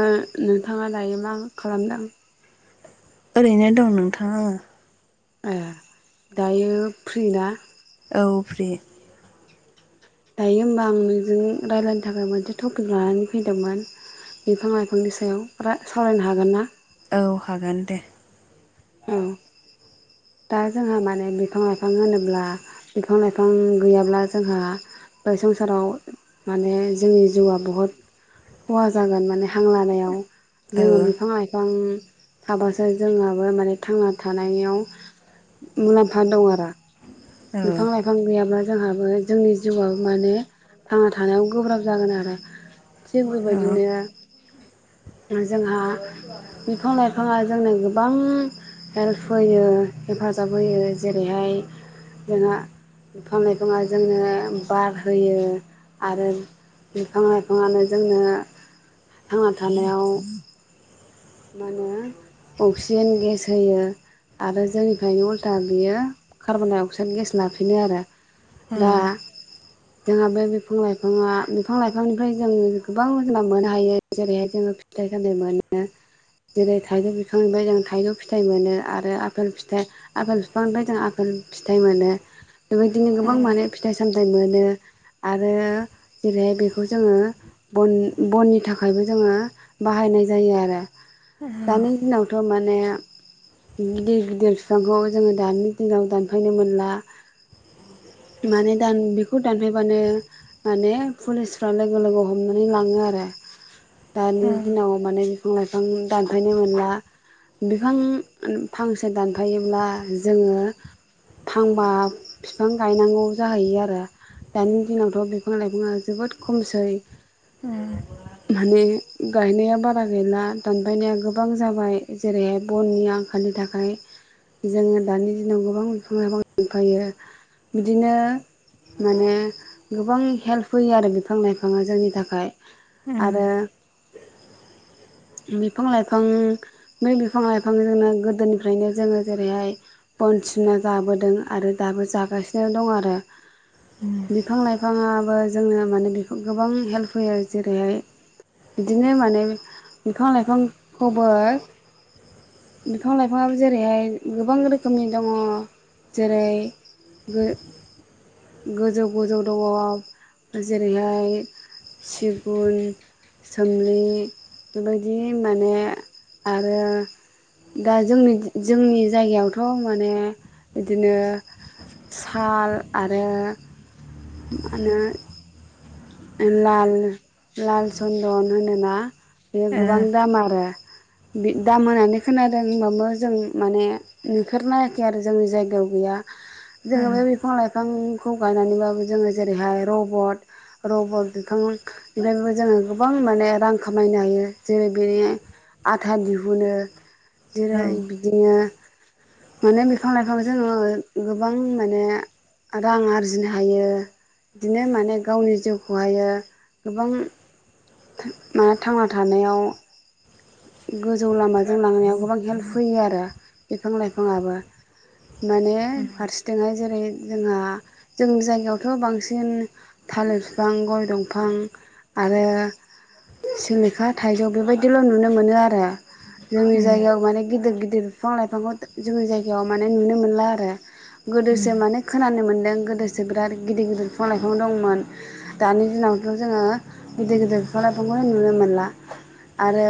ओ नोंथाङा दायो मा खालामदों? ओरैनो दं नोंथां आङो। ए दायो फ्रि ना? औ फ्रि। दायो होमबा आं नोंजों रायजलायनो थाखाय मोनसे टपिक लानानै फैदोंमोन बिफां लाइफांनि सायाव, रा सावरायनो हागोन ना? औ हागोन दे। औ। दा जोंहा माने बिफां लाइफां होनोब्ला बिफां लाइफां गैयाब्ला जोंहा बे संसाराव माने जोंनि जिउआ बहुद खहा जागोन माने हां लानायाव। औ जोङो बिफां लाइफां थाबासो जोंहाबो माने थांना थानायनियाव मुलामफा दं आरो। औ औ बिफां लाइफां गैयाब्ला जोंहाबो जोंनि जिउआव माने थांना थानायाव गोब्राब जागोन आरो। थिग बेबायदिनो जोंहा बिफां लाइफाङा जोंनो गोबां हेल्प होयो एबा हेफाजाब होयो। जेरैहाय जोंहा बिफां लाइफाङा जोंनो बार होयो आरो बिफां लाइफाङानो जोङो थांना थानायाव मा होनो अक्सिजेन गेस होयो आरो जोंनिफ्रायनो उल्था बियो कार्बन डाइ अक्साइड गेस लाफिनो आरो। दा। जोंहा बे बिफां लाइफाङा बिफां लाइफांनिफ्राय जों गोबां मोगोनाय मोननो हायो जेरैहाय जोङो जाय खमनिया मोनो जेरै थाइजौ बिफांनिफ्राय जों थाइजौ फिथाइ मोनो आरो आफेल फिथाइ आफेल बिफांनिफ्राय जों होम फिथाइ मोनो बेबायदिनो गोबां माने फिथाइ सामथायाइ मोनो आरो जेरैहाय बेखौ जोङो बन बननि थाखायबो जोङो बाहायनाय जायो आरो दानि दिनावथ माने गिदिर गिदिर बिफांखौ जोङो दानि दिनाव दानफायनो मोनला माने दान बेखौ दानफैबानो माने पुलिसफ्रा लोगो लोगो हमनानै लाङो आरो। दानि औ दिनाव माने बिफां लाइफां दानफायनो मोनला बिफां फांसे दानफायोब्ला जोङो थांबा बिफां गायनांगौ जाहैयो आरो दानि दिनावथ' बिफां लाइफाङा जोबोद खमसै उम। माने गायनाया बारा गैला दानबायनाया गोबां जाबाय जेरैहाय बननि आंखालनि थाखाय जोङो दानि दिनाव गोबां बिफां लाइफां मोनफायो बिदिनो माने गोबां हेल्प होयो आरो बिफां लाइफाङा जोंनि थाखाय आरो। बिफां लाइफां बै बिफां लाइफां जोंनो गोदोनिफ्रायनो जोङो जेरैहाय बनसिनना जाबोदों आरो दाबो जागासिनो दं आरो। बिफां लाइफाङाबो जोङो माने बेखौ गोबां हेल्प होयो जेरैहाय बिदिनो माने बिफां लाइफांखौबो बिफां लाइफांआबो जेरैहाय गोबां रोखोमनि दङ जेरै गो गोजौ गोजौ दङ जेरैहाय सिगुन सोमलि बेबायदि माने आरो। दा जोंनि जोंनि जायगायावथ' माने बिदिनो साल आरो मा होनो लाल लाल चन्दन होनोना बे गोबां दाम आरो बि दाम होनानै खोनादों होनबाबो जों माने नुफेर नायाखै आरो जोंनि जायगायाव गैया जोङो बे बिफां लाइफांखौ गायनानैबाबो जोङो जेरैहाय रबट रबट बिफां बेफ्रायबो जोङो गोबां माने रां खामायनो हायो जेरै बेनि आथा दिहुनो जेरै बिदिनो माने बिफां लाइफां जोङो गोबां माने रां आरजिनो हायो बिदिनो माने गावनि जिउ बेखौहायो गोबां म थांना थानायाव गोजौ लामाजों लांनायाव गोबां हेल्प होयो आरो बिफां लाइफांआबो माने फारसिथिंहाय जेरै जोंहा जोंनि जायगायावथ' बांसिन थालिर बिफां गय दंफां आरो सिलिखा थाइजौ बेबायदिल' नुनो मोनो आरो जोंनि जायायाव माने गेदिर गदिर बिफां लाइफांखौ जोंनि जायगायाव माने नुनो मोनला आरो गोदोसो माने खोनानो मोन दों गोदोसो बिराद गिदिर गिदिर बिफां लाइफां दंमोन दानि दिनावथ' जोङो गिदिर गिदिर बिफां लाइफांखौनो नुनो मोनला आरो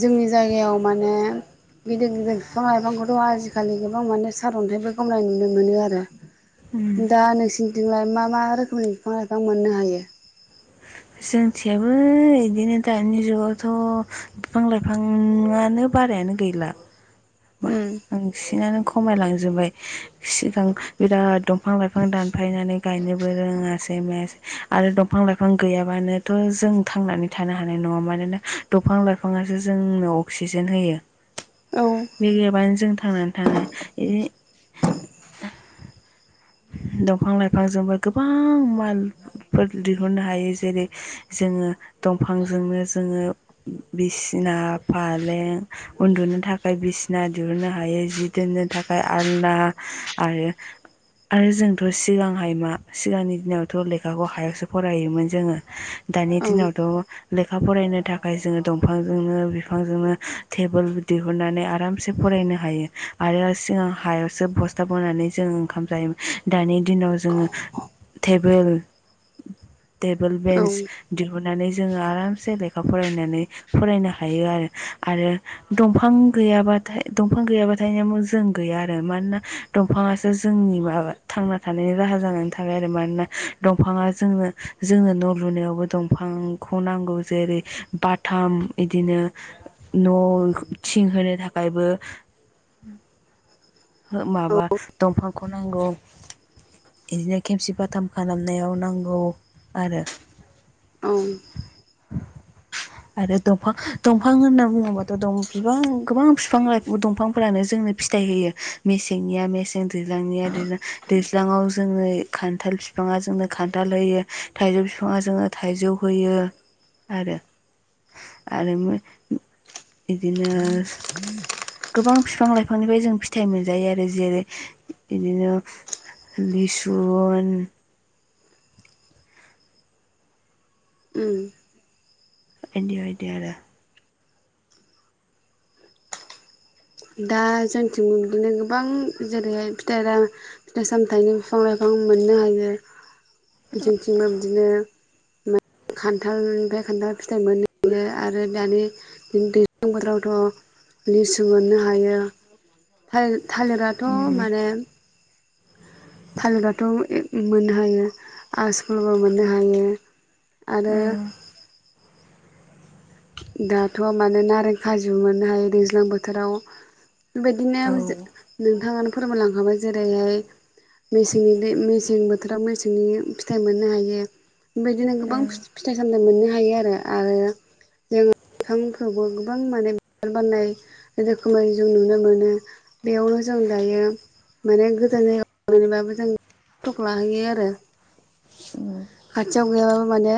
जोंनि जायगायाव माने गिदिर गिदिर बिफां लाइफांखौथ' आजिखालि गोबां माने सारन्थाइबो खमनाय नुनो मोनो आरो दा नोंसिनिथिंलाय मा मा रोखोमनि बिफां लाइफां मोननो हायो? जोंथियाबो बिदिनो दानि जुगावथ' बिफां लाइफांआनो बारायानो गैला। उम बांसिनानो खमायलांजोबबाय सिगां बिराद दं बिफां लाइफां दानफायनानै गायनोबो रोङासै मायासै आरो दंफां लाइफां गैयाबानोथ' जों थांनानै थानो हानाय न नङा मानोना दंफां लाइफाङासो जोंनो अक्सिजेन होयो। औ बे नंङाबानो जों थांनानै थाङो बि दंफां लाइफांजोंबो गोबां मालफोर दिहुननो हायो जेरै- जोङो दंफांजोंनो जोङो बिसिना फालें उन्दुनो थाखाय बिसिना दिहुननो हायो जि दोननो थाखाय आलना आरो आरो जोंथ' सिगांहाय मा सिगांनि दिनावथ' लेखाखौ हायावसो फरायोमोन जोङो दानि औ दिनावथ' लेखा फरायनो थाखाय जोङो दंफांजोंनो बिफांजोंनो टेबोल दिहुननानै आरामसे फरायनो हायो आरो सिगां हायावसो बस्थाब बोनानै जों ओंखाम जायो। दानि दिनाव जोङो टेबोल बेन्स औ दिहुन लेखा फरायनानै फरायनो हायो आरो दंफां ग गैयाबाथाय दंफां गैयाबाथाय जों गैया आरो मानोना दंफाङासो जोंनि माबा थांना थानायनि राहा जानानै थाबाय आरो मानोना दंफाङा जोंनो जोंनो न' लुनायावबो दंफां बिफांखौ नांगौ जेरै बाथाम बिदिनो न' थिंहो थाखायबो माबा दंफांखौ नांगौ बिदिनो खेमसि फाथाम खालामनायाव नांगौ आरो- औ आरो दंफां दंफां होनना बुङोबाथ' बिफां गोबां बिफां दंफांफोरानो- जोंनो फिथाइ होयो मेसेंनिया मेसें दैज्लांनिया दैज्लां- दैज्लाङाव जोङो खान्थाल बिफाङा जोंनो खान्थाल होयो थाइजौ बिफाङा जोंनो थाइजौ- होयो आरो आरो- बिदिनो गोबां बिफां लाइफांनिफ्राय जों फिथाइ मोनजायो आरो जेरै बिदिनो- लिसु उ एदि बादि आरो- दा जोंथिं बिदिनो गोबां जेरैहाय फिथाइ फिथाइ सामथायाइनि बिफां लाइफां गोबां मोननो हायो मिथिंथिंबो बिदिनो खान्थालनिफ्राय खान्थाल फिथाइ मोनोयो आरो दानि दैज्लां बोथोरावथ' लिसु मोननो हायो थालिर आथ' उम माने थालिरिराथ' मोननो हायो आसकुलबो मोननो हायो। आरो- दाथ' माने नारें खाजु मोननो हायो दैज्लां बोथोराव बेबायदिनो औ नोंथाङानो फोरमायलांखाबाय जेरैहाय मेसेंनि दै मेसें बोथोराव मेसेंनि फिथाइ मोननो हायो। बेबायदिनो गोबां फिथाइ सामथाइ मोननो हायो आरो। आरो जोङो बिफांफ्रावबो गोबां माने बिबार बारनाय रोखोमै जों नुनो मोनो। बेयावनो जों जों दायो माने गोजान जायगायाव थांनानैबाबो जों खथ'खौ लाहैयो आरो। खाथियाव गैयाबा माने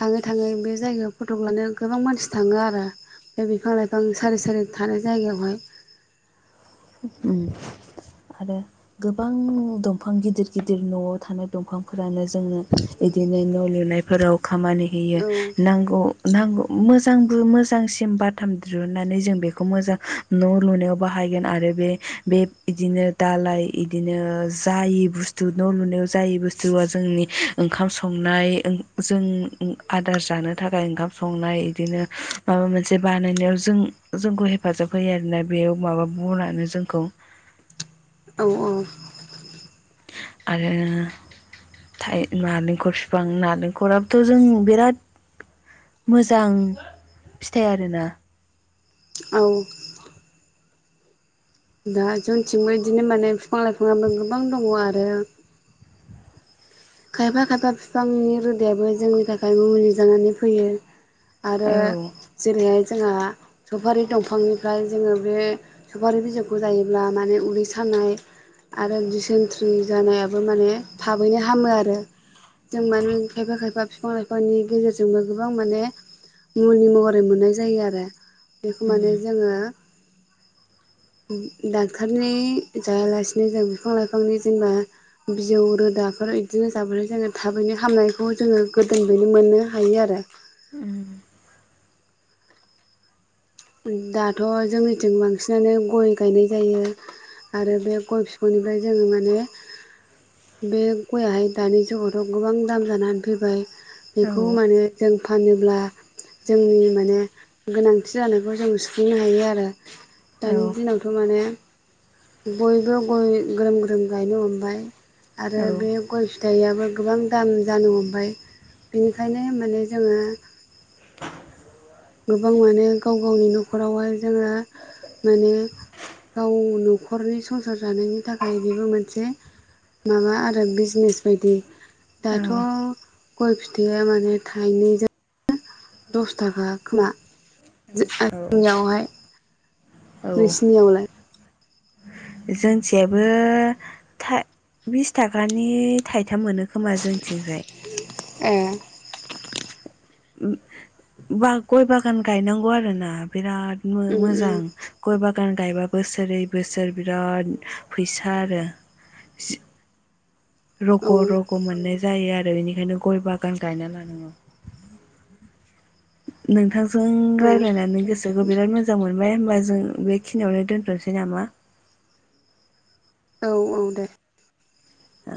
थाङै थाङै बे जायगायाव फट'खौ लानो गोबां मानसि थाङो आरो। बे बिफां लाइफां सारि सारि थानाय जायगायावहाय उम। आरो गोबां दंफां गिदिर गिदिर न'आव थानाय दंफांफोरानो जोङो बि दिनो न' लुनायफोराव खामानि होयो। औ नांगौ नांगौ मोजांबो मोजांसिम बाथाम दिहुनानै जों बेखौ मोजां न' लुनायाव बाहाय गोन आरो बे बे इदिनो दालाय इदिनो जायै बुस्थु न' लुनायाव जायै बुस्थु ओ जोंनि ओंखाम संनाय ओं जों ओं आदार जानो थाखाय ओंखाम संनाय बिनो माबा मोनसे बानायनायाव जों जोंखौ हेफाजाब होयो आरोना बेयाव माबा बनानो जोंखौ औ औ। आरो थाइ-नालेंखर फिफां नालेंखराबोथ' जों बिराद मोजां फिथाइ आरोना। औ दा जोंनिथिंबो बिदिनो माने फिफां लाइफाङाबो गोबां दङ' आरो खायफा खायफा फिफांनि रोदायाबो जोंनि थाखाय मुलि जानानै फैयो। आरो औ जेरैहाय जोंहा सफारि दंफांनिफ्राय जोङो बे सफारि बिजौखौ जायोब्ला माने उदै सा नाय आरो दिसेनथ्रि जानायाबो माने थाबैनो हामो आ रो जों माने खायफा खायफा फिफां लाइफांनि गोहोजोंनो गोबां माने मुलि महरै मोननाय जायो आरो। बेखौ माने उम जोङो डाक्टरनि जायालासिनो जों बिफां लाइफांनि जेनेबा बिजौ रोदाफोर इ दिनो जाबोलय जोङो थाबैनो हामनायखौ जोङो गोदोनिफ्रायनो मोननो हायो आरो। उम दाथ' जोंनिथिं बांसिनानो गय गायनाय जायो। आरो बे गय फिफांनिफ्राय जोङो माने बे गयाहाय दानि जुगावथ' गोबां दाम जानानै फैबाय औ बेखौ माने जों फानोब्ला जोंनि माने गोनांथि जानायखौ जों सुफुंनो हायो आरो। औ दानि दिनावथ' माने बयबो गय ग्रोम ग्रोम गायनो हमबाय। आरो औ बे गय फिथाइयाबो गोबां दाम जानो हमबाय। बेनिखायनो माने जोङो गोबां माने गाव गावनि न'खरावहाय जोङो माने गाव न'खरनि संसार जानायनि थाखाय बेबो मोनसे माबा आरो बिजनेस बायदि। दाथ' औ गय फिथाइया माने थाइनैजों दस थाखा खोमा औ जोंनियावहाय। औ नोंसिनियावलाय? जोंथियाबो बिस थाखानि थाइ थाम मोनो खोमा जोंथिंजाय। ए। बा गय बागान गायनांगौ आरोना बिराद उम उम मो-मोजां गय बा गान गायबा बोसोरै बोसोर बिराद फैसा आरो जि औ रग' रग' मोननाय जायो आरो बेनिखायनो गय बागान गायना लानांगौ। [inaudible] नोंथांजों रायलायनानै गोसोखौ बिराद मोजां मोन बाय होनबा जों बे खिनियावनो दोनथ'नसै नामा? औ औ दे। ओ।